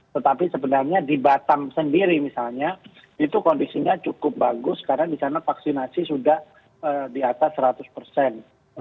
tetapi sebenarnya di batam sendiri misalnya itu kondisinya cukup bagus karena di sana vaksinasi sudah di atas seratus persen